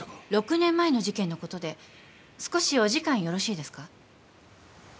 ６年前の事件のことで少しお時間よろしいですか？